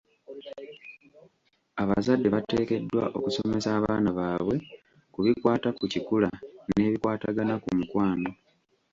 Abazadde bateekeddwa okusomesa abaana baabwe ku bikwata ku kikula, n'ebikwatagana ku mukwano.